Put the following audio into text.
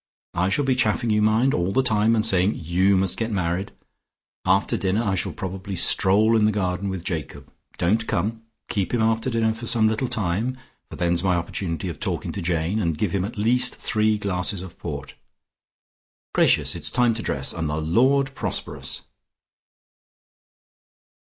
I shall be chaffing you, mind, all the time and saying you must get married. After dinner I shall probably stroll in the garden with Jacob. Don't come. Keep him after dinner for some little time, for then's my opportunity of talking to Jane, and give him at least three glasses of port. Gracious it's time to dress, and the Lord prosper us."